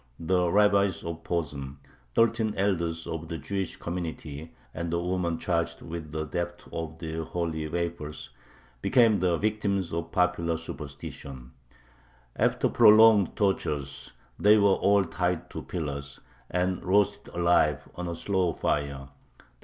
The Rabbi of Posen, thirteen elders of the Jewish community, and the woman charged with the theft of the holy wafers, became the victims of popular superstition; after prolonged tortures they were all tied to pillars, and roasted alive on a slow fire (1399).